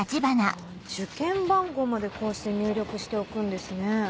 受験番号までこうして入力しておくんですね。